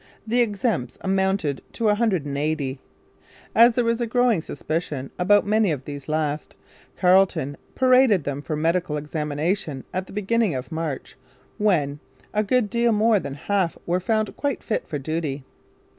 The 'exempts' amounted to a hundred and eighty. As there was a growing suspicion about many of these last, Carleton paraded them for medical examination at the beginning of March, when, a good deal more than half were found quite fit for duty.